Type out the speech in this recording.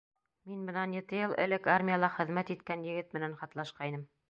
Мин бынан ете йыл элек армияла хеҙмәт иткән егет менән хатлашҡайным.